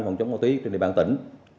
phòng chống ma túy trên địa bàn tỉnh